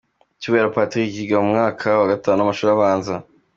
Cyubahiro Patrick yiga mu mwaka wa Gatanu w’amashuri abanza.